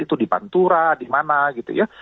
itu di pantura di mana gitu ya